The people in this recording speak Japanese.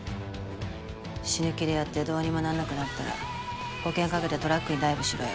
死ぬ気でやってどうにもなんなくなったら保険掛けてトラックにダイブしろよ。